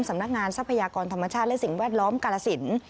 สำนักงานทรัพยากรธรรมชาติและสิ่งแวดล้อมกรสินต์